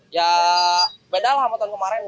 ya beda lah sama tahun kemarin